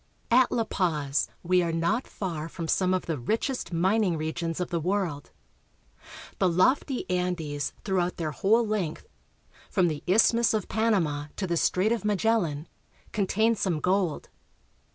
AT La Paz we are not far from some of the richest min l\ ing regions of the world. The lofty Andes through out their whole length, from the Isthmus of Panama to the Strait of Magellan, contain some gold.